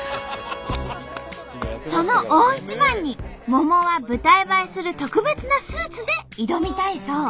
その大一番にももは舞台映えする特別なスーツで挑みたいそう。